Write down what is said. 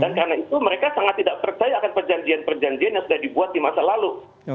dan karena itu mereka sangat tidak percaya akan perjanjian perjanjian yang sudah diperlukan